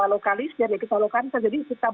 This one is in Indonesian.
lokalisir jadi kita